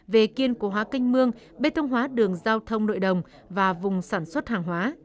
về kiên cố hóa kênh mương bê tông hóa đường giao thông nội đồng và vùng sản xuất hàng hóa